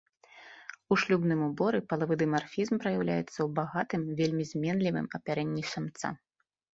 У шлюбным уборы палавы дымарфізм праяўляецца ў багатым, вельмі зменлівым апярэнні самца.